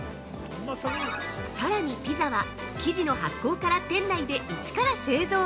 ◆さらに、ピザは生地の発酵から店内で一から製造。